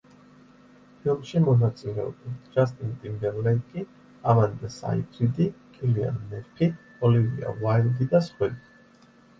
ფილმში მონაწილეობენ: ჯასტინ ტიმბერლეიკი, ამანდა საიფრიდი, კილიან მერფი, ოლივია უაილდი და სხვები.